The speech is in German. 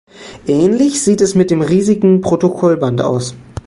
Ähnlich sieht es mit dem riesigen Protokollband aus.